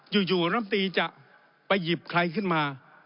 อยู่ร่ำตีจะไปหยิบใครขึ้นมา